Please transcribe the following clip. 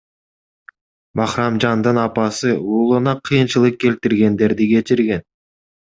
Бахрамжандын апасы уулуна кыйынчылык келтиргендерди кечирген.